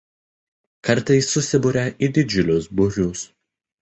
Kartais susiburia į didžiulius būrius.